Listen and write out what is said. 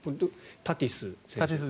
タティスＪｒ．選手。